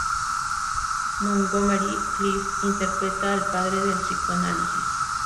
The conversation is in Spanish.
Montgomery Clift interpreta al padre del psicoanálisis.